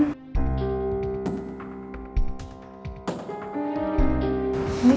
kamu mau tidur